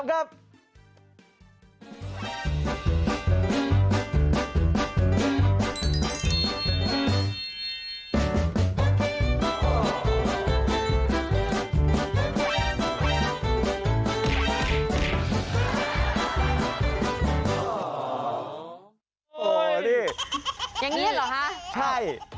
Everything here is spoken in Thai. คนนี้ใช่